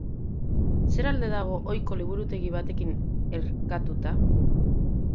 Zer alde dago ohiko liburutegi batekin erkatuta?